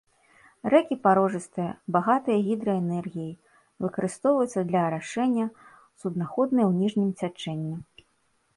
Рэкі парожыстыя, багатыя гідраэнергіяй, выкарыстоўваюцца для арашэння, суднаходныя ў ніжнім цячэнні.